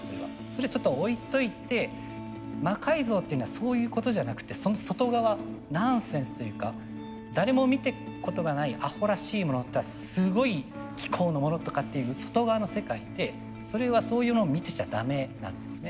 それちょっと置いといて魔改造っていうのはそういうことじゃなくてその外側ナンセンスというか誰も見たことがないあほらしいものすごい機構のものとかっていう外側の世界でそれはそういうものを見てちゃダメなんですね。